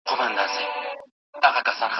اه او اوف وي. نور نو سړی نه پوهیږي